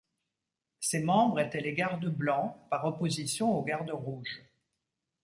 Ses membres étaient les Gardes blancs par opposition aux Gardes rouges.